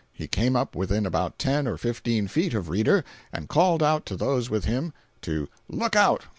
He came up within about ten or fifteen feet of Reeder, and called out to those with him to "look out!